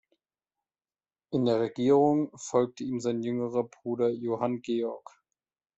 In der Regierung folgte ihm sein jüngerer Bruder Johann Georg.